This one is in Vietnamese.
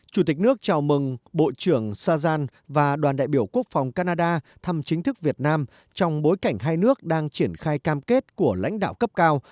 chủ tịch nước chào mừng bộ trưởng sazan và đoàn đại biểu quốc phòng canada thăm chính thức việt nam trong bối cảnh hai nước đang triển khai cam kết của lãnh đạo cấp cao